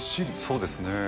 そうですね。